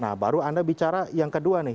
nah baru anda bicara yang kedua nih